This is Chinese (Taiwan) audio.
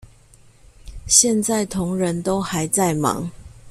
現在同仁都還在忙